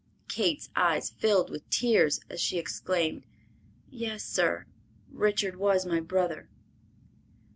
Kate's eyes filled with tears as she exclaimed, "Yes, sir, Richard was my brother."